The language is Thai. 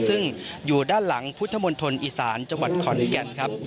ซึ่งอยู่ด้านหลังพุทธมณฑลอีสานจังหวัดขอนแก่นครับ